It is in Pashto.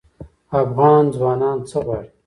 افغان ځوانان څه غواړي؟